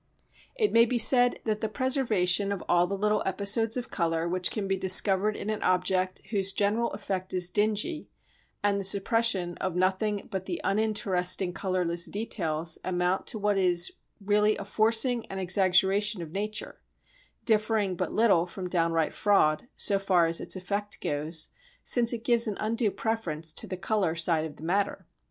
It may be said that the preservation of all the little episodes of colour which can be discovered in an object whose general effect is dingy and the suppression of nothing but the uninteresting colourless details amount to what is really a forcing and exaggeration of nature, differing but little from downright fraud, so far as its effect goes, since it gives an undue preference to the colour side of the matter.